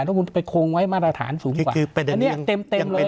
แล้วคุณไปคงไว้มาตรฐานสูงกว่าคือเป็นเป็นเป็นเป็นเป็นเป็นเป็น